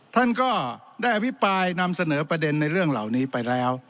ท่านก็ได้อภิปรายนำเสนอประเด็นในเรื่องเหล่านี้ไปแล้ว